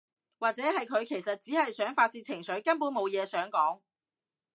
或者係佢其實只係想發洩情緒，根本無嘢想講